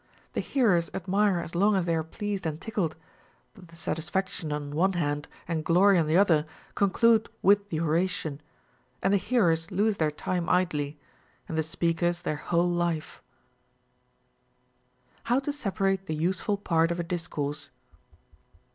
The hearers adaiire as long as they are pleased and tickled, 'but the satisfaction on one hand and glory on the other conclude with the oration ; and the hearers lose their time idly, and the speakers their whole life. 29 450 OF HEARING. How to separate the useful Part of a Discourse.